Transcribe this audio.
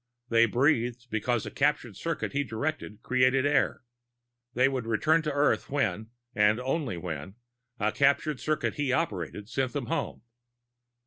They breathed because a captured circuit he directed created air. They would return to Earth when and only when a captured circuit he operated sent them home.